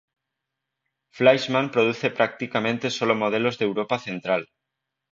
Fleischmann produce prácticamente solo modelos de Europa Central.